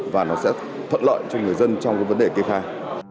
và nó sẽ thuận lợi cho người dân trong các vấn đề kế phai